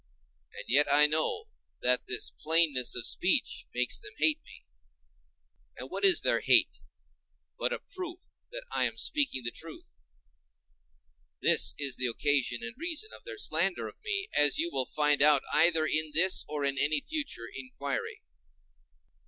And yet I know that this plainness of speech makes them hate me, and what is their hatred but a proof that I am speaking the truth?—this is the occasion and reason of their slander of me, as you will find out either in this or in any future inquiry.